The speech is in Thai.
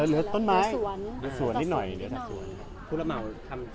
อันนี้ไม่ต้องกลัวครับสวนให้จัดเองครับ